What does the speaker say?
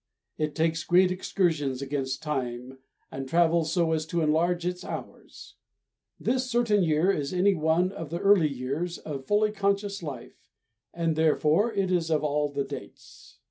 It takes great excursions against time, and travels so as to enlarge its hours. This certain year is any one of the early years of fully conscious life, and therefore it is of all the dates.